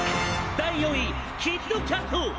第４位キッドキャット！！